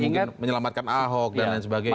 mungkin menyelamatkan ahok dan lain sebagainya